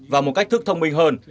và một cách thức thông minh hơn